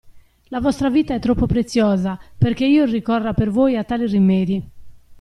La vostra vita è troppo preziosa, perché io ricorra per voi a tali rimedi.